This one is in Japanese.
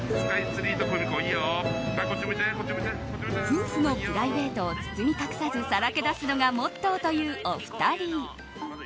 夫婦のプライベートを包み隠さずさらけ出すのがモットーというお二人。